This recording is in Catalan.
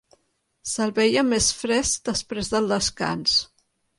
Se'l veia més fresc després del descans.